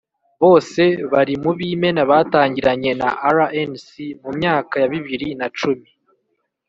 bose bari mu b’imena batangiranye na rnc mu myaka ya bibiri na cumi